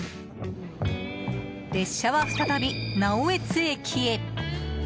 列車は再び、直江津駅へ。